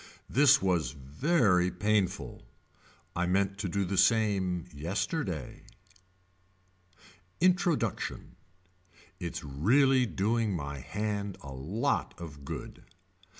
This was very painful. I meant to do the same yesterday. Introduction. Its really doing my hand a lot of good.